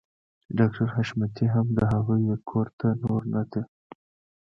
ډاکټر حشمتي هم د هغوی کور ته نور نه ته